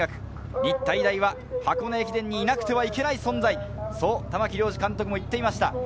日体大は箱根駅伝にいなくてはいけない存在と、玉城良二監督も言っていました。